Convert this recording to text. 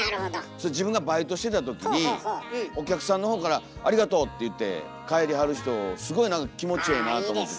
それ自分がバイトしてた時にお客さんの方から「ありがとう」って言って帰りはる人すごい何か気持ちええなと思って。